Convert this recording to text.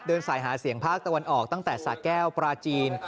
เดินสายหาเสียงภาคตะวันออกตั้งแต่สะแก้วปราจีน